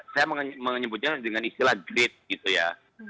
saya menyebutnya dengan istilah grid gitu ya